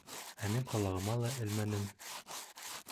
Ә мин ҡолағыма ла элмәнем.